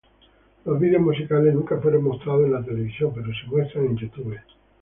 Los vídeos musicales nunca fueron mostrados en la televisión, pero se muestra en YouTube.